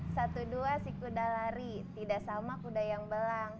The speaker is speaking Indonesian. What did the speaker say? satu dua si kuda lari tidak sama kuda yang belang